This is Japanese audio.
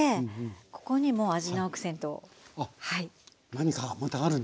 何かまたあるんですね。